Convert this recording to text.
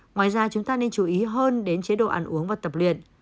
ngoài ra chúng ta nên chú ý hơn đến chế độ ăn uống và tập luyện